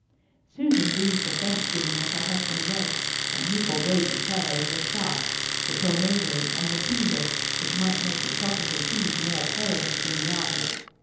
Susan breathed a thanksgiving as her husband read, and he forbore to tell her of the sharks, the tornadoes, and the fevers which might make the tropical seas more perilous than the Arctic.